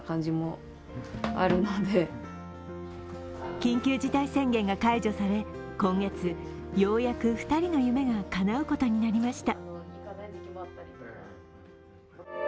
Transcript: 緊急事態宣言が解除され、今月ようやく２人の夢がかなうことになりました。